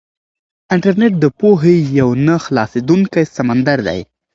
انټرنيټ د پوهې یو نه خلاصېدونکی سمندر دی.